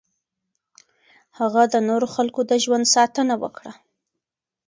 هغه د نورو خلکو د ژوند ساتنه وکړه.